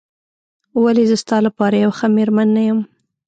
ولې زه ستا لپاره یوه ښه مېرمن نه یم؟